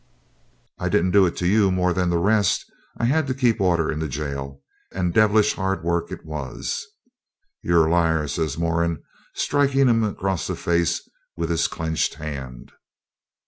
'I didn't do it to you more than to the rest. I had to keep order in the gaol, and devilish hard work it was.' 'You're a liar,' says Moran, striking him across the face with his clenched hand.